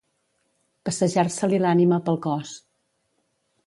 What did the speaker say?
Passejar-se-li l'ànima pel cos.